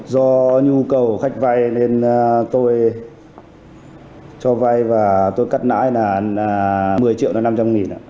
do nhu cầu khách vay nên tôi cho vay và tôi cắt đá